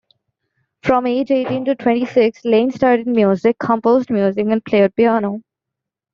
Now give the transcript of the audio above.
From age eighteen to twenty-six, Lane studied music, composed music, and played piano.